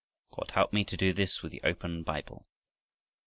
God help me to do this with the open Bible!